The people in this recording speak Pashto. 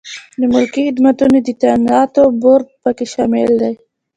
د ملکي خدمتونو د تعیناتو بورد پکې شامل دی.